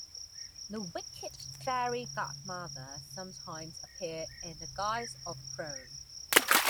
The wicked fairy godmother sometimes appears in the guise of a crone.